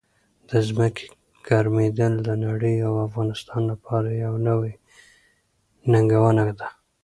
د ځمکې ګرمېدل د نړۍ او افغانستان لپاره یو لوی نوي ننګونه ده.